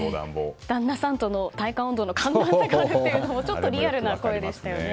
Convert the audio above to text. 旦那さんとの体感温度の差があるというのもちょっとリアルな声でしたよね。